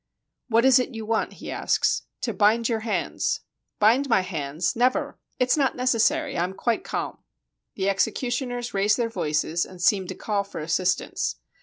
"What is it you want? " he asks. "To bind your hands." "Bind my hands! Never! It's not necessary; I am quite calm." The executioners raise their voices, and seem to call for assistance.